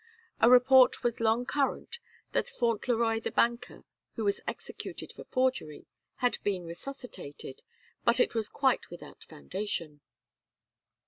A report was long current that Fauntleroy the banker, who was executed for forgery, had been resuscitated, but it was quite without foundation.